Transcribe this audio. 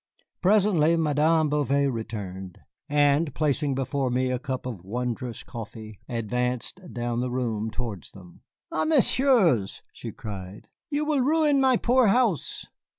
Presently Madame Bouvet returned, and placing before me a cup of wondrous coffee, advanced down the room towards them. "Ah, Messieurs," she cried, "you will ruin my poor house."